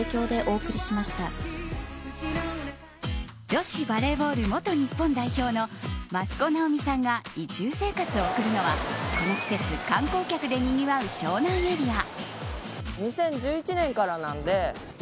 女子バレーボール元日本代表の益子直美さんが移住生活を送るのはこの季節、観光客でにぎわう湘南エリア。